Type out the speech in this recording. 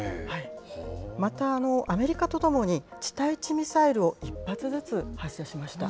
また、アメリカとともに地対地ミサイルを１発ずつ、発射しました。